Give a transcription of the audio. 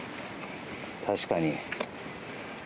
確かに。